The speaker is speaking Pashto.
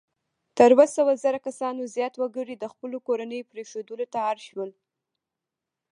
تر اووه سوه زره کسانو زیات وګړي د خپلو کورنیو پرېښودلو ته اړ شول.